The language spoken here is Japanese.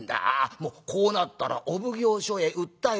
もうこうなったらお奉行所へ訴えて出ます。